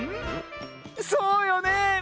そうよねえ。